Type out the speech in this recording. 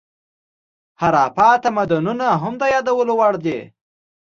هاراپا تمدنونه هم د یادولو وړ دي.